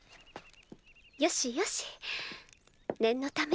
よしよし念のため。